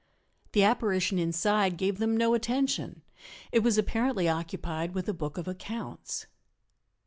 The apparition inside gave them no attention; it was apparently occupied with a book of accounts.